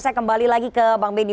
saya kembali lagi ke bang benny